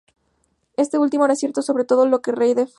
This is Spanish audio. Esto último era cierto sobre todo para el rey de Francia.